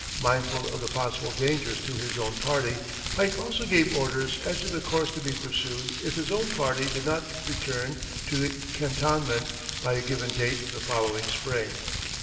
Mindful of the possible dangers to his own party, Pike also gave orders as to the course to be pursued if his own party did not return to the cantonment by a given date the following spring.